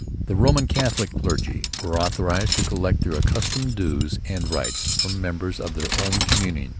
The Roman Catholic clergy were authorized to collect 'their accustomed Dues and Rights' from members of their own communion.